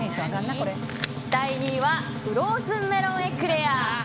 第２位はフローズンメロンエクレア。